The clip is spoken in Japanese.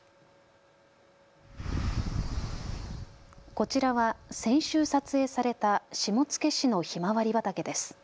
こちらは先週撮影された下野市のひまわり畑です。